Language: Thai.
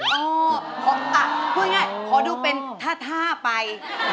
คือยังไงฏอดูเป็นท่าไป